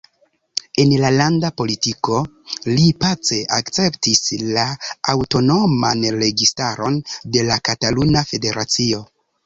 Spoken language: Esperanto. En la landa politiko, li pace akceptis la aŭtonoman registaron de la Kataluna Federacio.